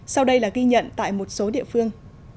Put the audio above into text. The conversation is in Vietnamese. sau đây là ghi nhận tại một số địa phương